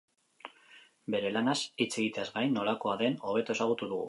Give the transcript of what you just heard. Bere lanaz hitz egiteaz gain, nolakoa den hobeto ezagutu dugu.